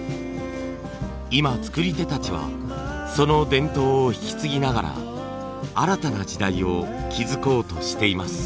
今作り手たちはその伝統を引き継ぎながら新たな時代を築こうとしています。